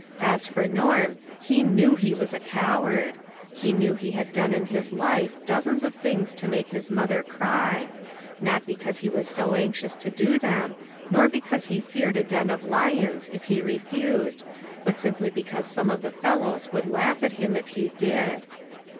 As for Norm, he knew he was a coward j he knew he had done in THE WAY MADE PLAIN. 355 his life dozens of things to make his mother cry ; not because he was so anxious to do them, nor because he feare'd a den of lions if he re fused, but simply because some of the fellows would laugh at him if he did.